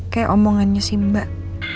kayak omongannya si mbak